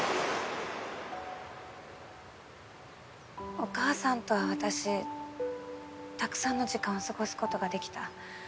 お母さんとは私たくさんの時間を過ごすことができた。